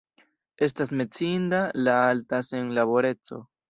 Estas menciinda la alta senlaboreco.